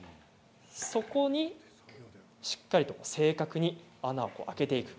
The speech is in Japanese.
そこにしっかりと正確に穴を開けていきます。